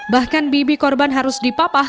bahkan bibi korban harus dipapah